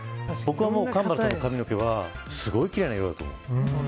僕は神原さんの髪の毛はすごい奇麗な色だと思う。